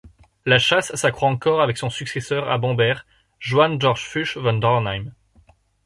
La chasse s'accroit encore avec son successeur à Bamberg, Johann Georg Fuchs von Dornheim.